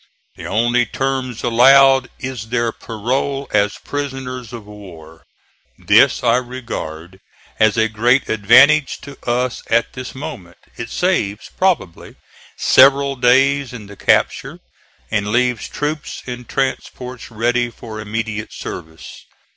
The only terms allowed is their parole as prisoners of war. This I regard as a great advantage to us at this moment. It saves, probably, several days in the capture, and leaves troops and transports ready for immediate service.